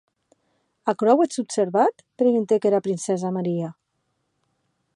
Aquerò auetz observat?, preguntèc era princessa Maria.